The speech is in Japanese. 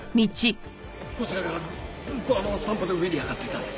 こちらからずーっと散歩で上に上がっていったんです。